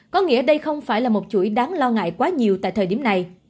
có nghĩa đây không phải là một chuỗi đáng lo ngại quá nhiều tại thời điểm này